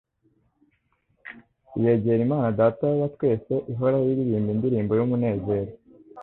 Yegera Imana Data wa twese ihora iririmba indirimbo y'umunezero,